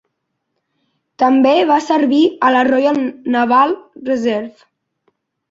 També va servir a la Royal Naval Reserve.